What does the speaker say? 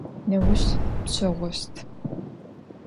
Nêuş pşeğoşt.